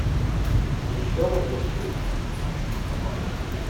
— Й що вони речуть?